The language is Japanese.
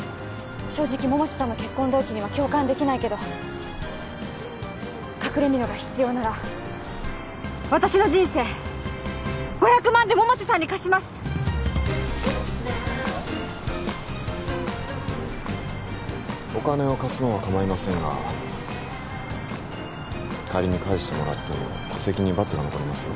正直百瀬さんの結婚動機には共感できないけど隠れみのが必要なら私の人生５００万で百瀬さんに貸しますお金を貸すのは構いませんが仮に返してもらっても戸籍にバツが残りますよ